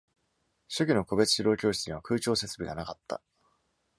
初期の個別指導教室には空調設備がなかった。